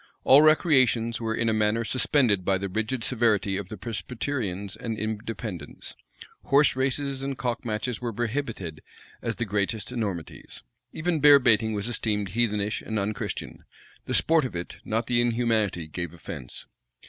All recreations were in a manner suspended by the rigid severity of the Presbyterians and Independents. Horse races and cock matches were prohibited as the greatest enormities.[*] * Killing no Murder Even bear baiting was esteemed heathenish and unchristian: the sport of it, not the inhumanity, gave offence.